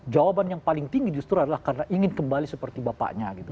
jawaban yang paling tinggi justru adalah karena ingin kembali seperti bapaknya gitu